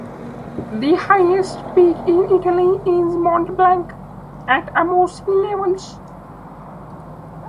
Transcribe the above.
The highest peak in Italy is Mont Blanc, at above sea level.